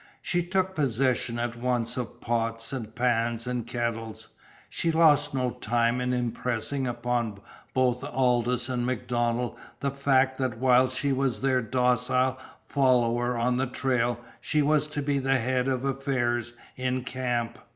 She took possession at once of pots and pans and kettles. She lost no time in impressing upon both Aldous and MacDonald the fact that while she was their docile follower on the trail she was to be at the head of affairs in camp.